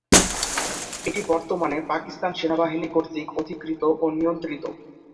এটি বর্তমানে পাকিস্তান সেনাবাহিনী কর্তৃক অধিকৃত ও নিয়ন্ত্রিত।